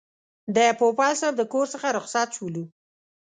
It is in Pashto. د پوپل صاحب د کور څخه رخصت شولو.